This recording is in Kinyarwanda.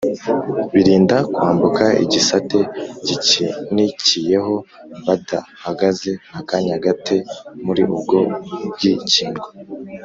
birinda kwambuka igisate gikinikiyeho badahagaze akanyagate muri ubwo bw’ikingo